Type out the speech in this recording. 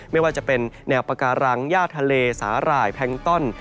ไม่ว่าจะเป็นแนวปาการังย่าทะเลสาหร่ายแพงต้อน